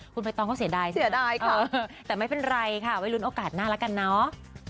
คุณไฟต้องก็เสียดายสินะแต่ไม่เป็นไรค่ะไว้ลุ้นโอกาสหน้าละกันเนาะ